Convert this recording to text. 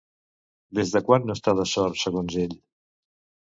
Des de quan no està de sort, segons ell?